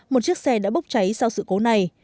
một chiếc xe đã bốc cháy sau sự cố này